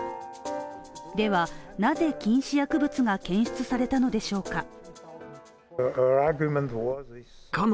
では、なぜ禁止薬物が検出されたのでしょうか。